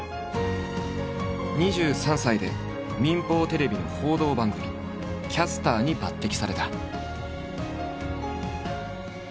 ２３歳で民放テレビの報道番組キャスターに抜擢された。